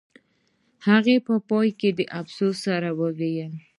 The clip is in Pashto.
هغې په پای کې د افسوس سره وویل